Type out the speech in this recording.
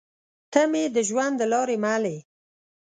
تۀ مې د ژوند د لارې مل يې